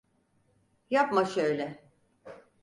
Yapma şöyle.